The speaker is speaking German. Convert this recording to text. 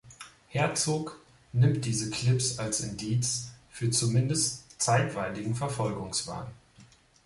Herzog nimmt diese Clips als Indiz für zumindest zeitweiligen Verfolgungswahn.